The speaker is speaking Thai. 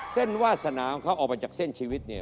วาสนาของเขาออกมาจากเส้นชีวิตเนี่ย